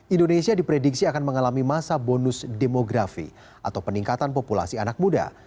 indonesia diprediksi akan mengalami masa bonus demografi atau peningkatan populasi anak muda